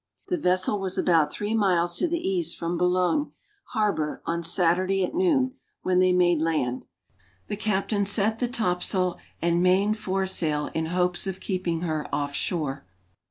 The vessel was about three miles to the east from Boulogne harbor on Saturday at noon, when they made land. The captain set the topsail and main foresail in hopes of keeping her off shore.